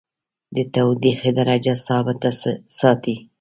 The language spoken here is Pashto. د تودیخي درجه ثابته ساتي.